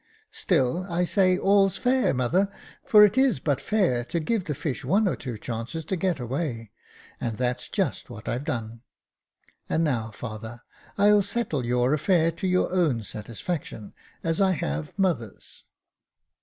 " Still, I say, all's fair, mother, for it is but fair to give the fish one or two chances to get away, and that's just what I've done j and now, father, I'll settle your affair to your own satisfaction, as I have mother's."